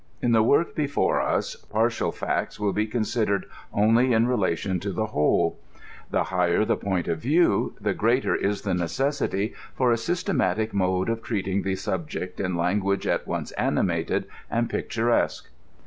In the work before us, partial facts will be considered only in relation to the whole. 56 C03M0ril. The higher the point of view, the greater is the necessity for a systematic mode of treating the subject in language at once animated and picturesque.